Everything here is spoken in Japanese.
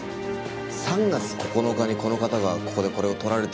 ３月９日にこの方がここでこれを撮られているんですけど。